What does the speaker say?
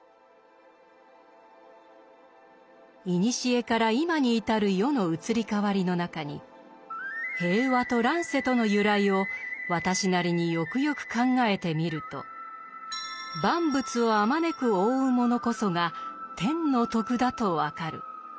「古から今にいたる世の移り変わりの中に平和と乱世との由来を私なりによくよく考えてみると万物をあまねく覆うものこそが天の徳だと分る。